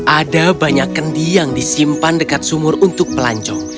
ada banyak kendi yang disimpan dekat sumur untuk pelancong